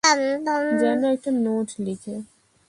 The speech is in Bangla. জেন একটা নোট লিখে।